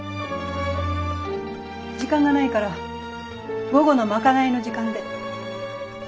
時間がないから午後の賄いの時間で。